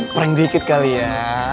prank dikit kali ya